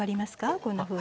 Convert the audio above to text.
こんなふうに。